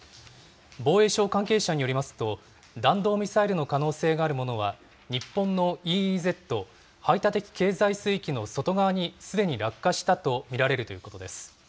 防衛省関係者によりますと、弾道ミサイルの可能性があるものは、日本のＥＥＺ・排他的経済水域の外側にすでに落下したと見られるということです。